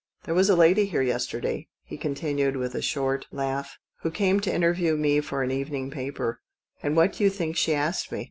There was a lady here yesterday," he con tinued, with a short laugh, " who came to interview me for an evening paper, and what do you think she asked me